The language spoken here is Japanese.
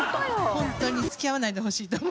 ホントに付き合わないでほしいと思う。